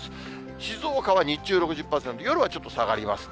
静岡は日中６０％、夜はちょっと下がりますね。